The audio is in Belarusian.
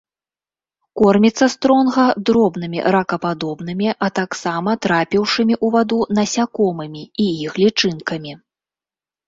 Корміцца стронга дробнымі ракападобнымі, а таксама трапіўшымі ў ваду насякомымі і іх лічынкамі.